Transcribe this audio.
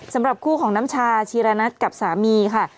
สำหรับคู่ของน้ำชาชีระนัทกับสามีค่ะ